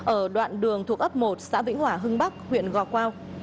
ở đoạn đường thuộc ấp một xã vĩnh hòa hưng bắc huyện gò quao